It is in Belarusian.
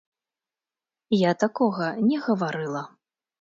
Я такога не гаварыла.